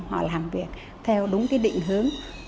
họ làm việc theo đúng cái định hướng